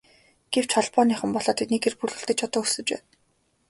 Гэвч Холбооныхон болоод тэдний гэр бүл үлдэж одоо өлсөж байна.